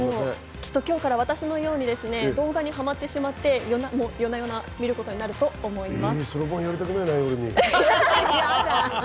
きっと今日から私のように動画にハマってしまって夜な夜な見ることになると思います。